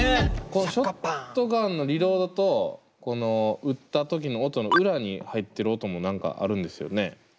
このショットガンのリロードとこの撃った時の音の裏に入ってる音も何かあるんですよね？